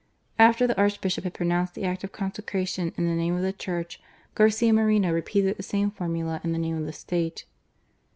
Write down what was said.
After the Archbishop had pronounced the Act of Consecration in the name of the Church, Garcia Moreno repeated the same formula in the name of the State.